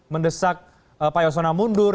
mendesak pak yosona mundur